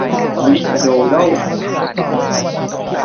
วิโดโด้